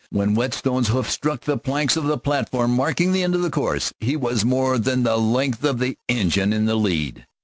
When Whetstone's hoofs struck the planks of the platform, marking the end of the course, he was more than the length of the engine in the lead.